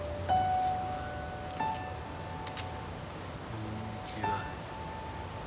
こんにちは。